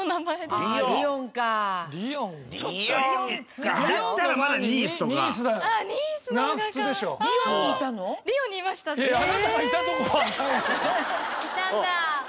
いたんだ。